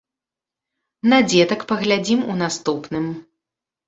На дзетак паглядзім у наступным.